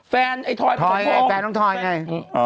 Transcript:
แฟนไอ้ถอยน้องถอยไง